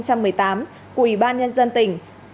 của ủy ban nhân dân tỉnh